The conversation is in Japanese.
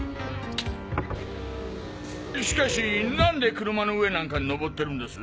しかしなんで車の上なんかにのぼってるんです？